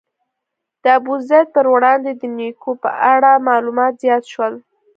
د ابوزید پر وړاندې د نیوکو په اړه معلومات زیات شول.